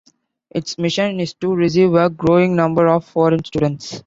Its mission is to receive a growing number of foreign students.